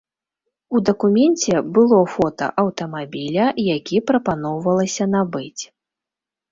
У дакуменце было фота аўтамабіля, які прапаноўвалася набыць.